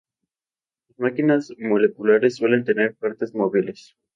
Las máquinas moleculares suelen tener partes móviles.